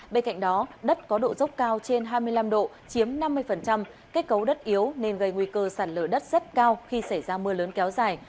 bên cạnh đó đất có độ dốc cao trên hai mươi năm độ chiếm năm mươi kết cấu đất yếu nên gây nguy cơ sạt lở đất rất cao khi xảy ra mưa lớn kéo dài